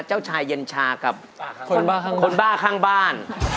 เจ้าชายเย็นชากับคนบ้าข้างบ้าน